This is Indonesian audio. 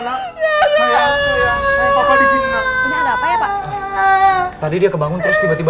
sus sus sus sus sus sus sus sus ada apa ya pak tadi dia kebangun terus tiba tiba